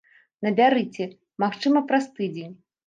Набярыце, магчыма, праз тыдзень.